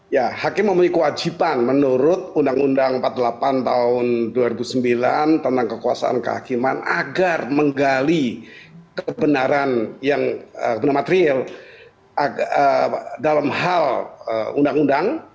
ya hakim memiliki kewajiban menurut undang undang empat puluh delapan tahun dua ribu sembilan tentang kekuasaan kehakiman agar menggali kebenaran yang material dalam hal undang undang